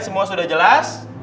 tapi juga dengan hati kalian sendiri